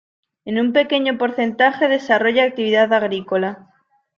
En un pequeño porcentaje desarrolla actividad agrícola.